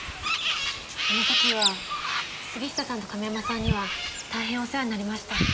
あの時は杉下さんと亀山さんには大変お世話になりました。